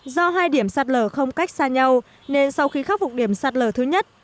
do hai điểm sạt lở không cách xa nhau nên sau khi khắc phục điểm sạt lở thứ nhất